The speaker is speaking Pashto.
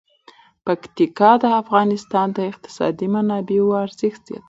پکتیکا د افغانستان د اقتصادي منابعو ارزښت زیاتوي.